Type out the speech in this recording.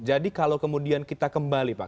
jadi kalau kemudian kita kembali pak